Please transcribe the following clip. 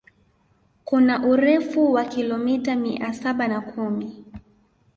Kuna urefu wa kilomita mia saba na kumi